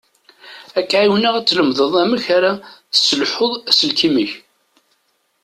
Ad k-εiwneɣ ad tlemdeḍ amek ara tesselḥuḍ aselkim-ik.